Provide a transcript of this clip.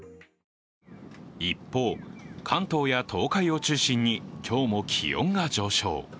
一方、関東や東海を中心に今日も気温が上昇。